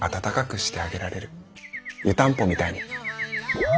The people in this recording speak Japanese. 湯たんぽみたいに。